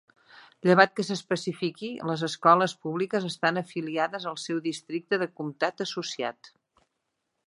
Llevat que s'especifiqui, les escoles públiques estan afiliades al seu districte de comtat associat.